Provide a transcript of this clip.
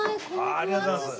ありがとうございます！